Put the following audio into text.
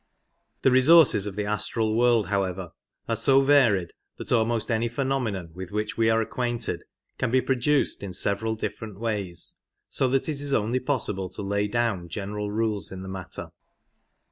The resources of the astral world, how ever, are so varied that almost any phenomenon with which we are acquainted can be produced in several different ways, so that it is only possible to lay down general rules in the matter.